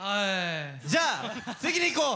じゃあ次にいこう！